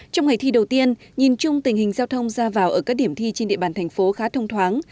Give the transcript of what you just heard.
trong ngày thi đầu tiên nhìn chung tình hình giao thông ra vào ở các điểm thi trên địa bàn thành phố khá thông thoáng